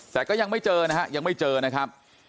แต่ก็ยังไม่เจอนะฮะยังไม่เจอนะครับ